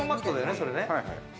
それね。